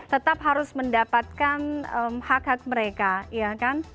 tetap harus mendapatkan hak hak mereka ya kan